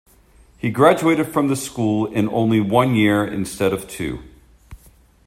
He graduated from this school in only one year instead of two.